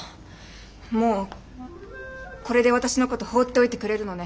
もうこれで私のこと放っておいてくれるのね？